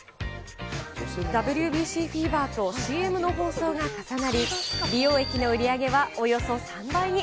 ＷＢＣフィーバーとＣＭの放送が重なり、美容液の売り上げはおよそ３倍に。